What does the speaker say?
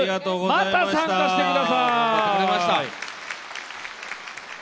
また参加してください。